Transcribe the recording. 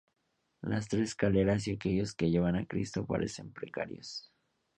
Las tres escaleras y aquellos que llevan a Cristo parecen precarios.